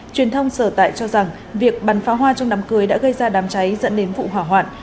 truyền thông sở tại cho rằng việc bắn pháo hoa trong đám cưới đã gây ra đám cháy dẫn đến vụ hỏa hoạn